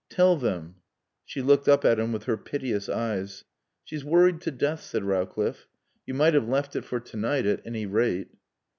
"Tell them " She looked up at him with her piteous eyes. "She's worried to death," said Rowcliffe. "You might have left it for to night at any rate."